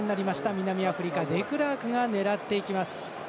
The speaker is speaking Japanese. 南アフリカデクラークが狙っていきます。